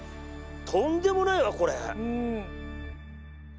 とんでもないわこれ。